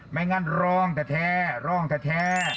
ไม่งั้นร่องแต่แท้ร่องแต่แท้